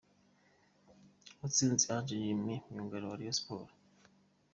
Mutsinzi Ange Jimmy myugariro wa Rayon Sports.